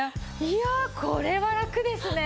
いやあこれはラクですね。